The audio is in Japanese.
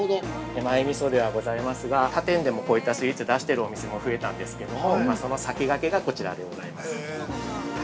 ◆手前みそではございますが他店でも、こういったスイーツ出してるお店も増えたんですけどもその先駆けがこちらでございます。